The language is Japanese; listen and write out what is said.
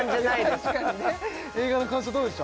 確かにね映画の感想どうでした？